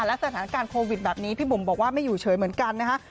และสถานการณ์โควิดแบบนี้พี่บุ๋มบอกว่าไม่อยู่เฉยเหมือนกันนะคะ